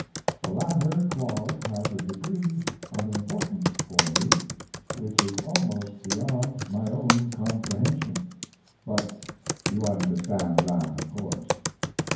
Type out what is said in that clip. The latter clause has a degree of importance for me which is almost beyond my own comprehension. But you understand that, of course.